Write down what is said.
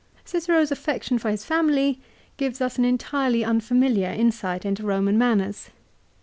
Cicero's affection for his family gives us an entirely un familiar insight into Koman manners.